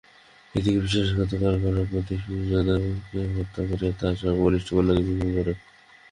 এ দিকে বিশ্বাসঘাতক আরাকান-পতি সুজাকে হত্যা করিয়া তাঁহার সর্বকনিষ্ঠ কন্যাকে বিবাহ করেন।